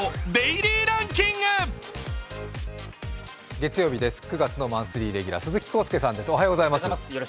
月曜日です、９月のマンスリーレギュラー鈴木浩介さんです。